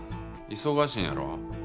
忙しいんやろ？